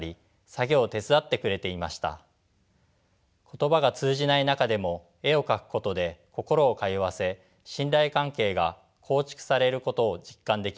言葉が通じない中でも絵を描くことで心を通わせ信頼関係が構築されることを実感できました。